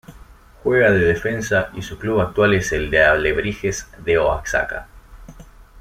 Juega de Defensa y su club actual es el Alebrijes de Oaxaca.